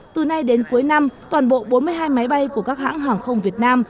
từ nay đến cuối năm toàn bộ bốn mươi hai máy bay của các hãng hàng không việt nam